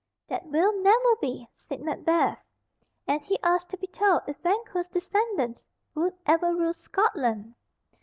"That will never be," said Macbeth; and he asked to be told if Banquo's descendants would ever rule Scotland.